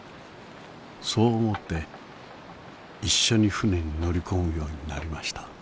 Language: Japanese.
そう思って一緒に船に乗り込むようになりました。